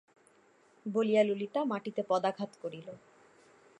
বলিয়া ললিতা মাটিতে পদাঘাত করিল।